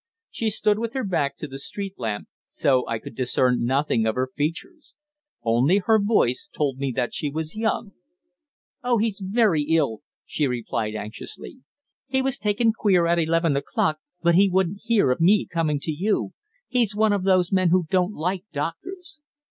She stood with her back to the street lamp, so I could discern nothing of her features. Only her voice told me that she was young. "Oh, he's very ill," she replied anxiously. "He was taken queer at eleven o'clock, but he wouldn't hear of me coming to you. He's one of those men who don't like doctors."